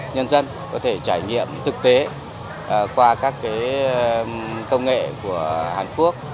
nhân dân có thể trải nghiệm thực tế qua các công nghệ của hàn quốc